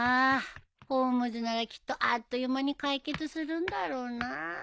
ホームズならきっとあっという間に解決するんだろうな。